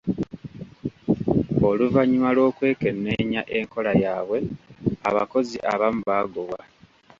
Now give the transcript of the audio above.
Oluvannyuma lw'okwekenneenya enkola yaabwe, abakozi abamu baagobwa.